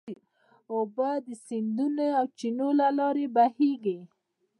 اوبه د سیندونو او چینو له لارې بهېږي.